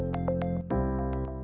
pemerintah pusat pupr